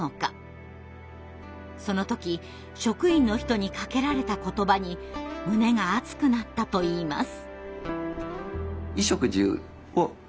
その時職員の人にかけられた言葉に胸が熱くなったといいます。